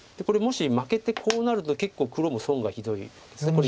これもし負けてこうなると結構黒も損がひどいです。